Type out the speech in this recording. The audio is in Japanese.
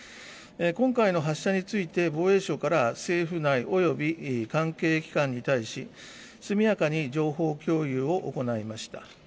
今回の発射について、防衛省からは政府内および関係機関に対し、速やかに情報共有を行いました。